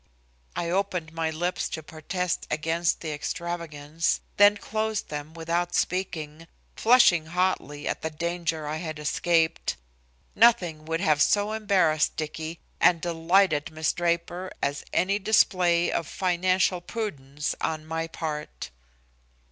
I opened my lips to protest against the extravagance, then closed them without speaking, flushing hotly at the danger I had escaped. Nothing would have so embarrassed Dicky and delighted Miss Draper as any display of financial prudence on my part.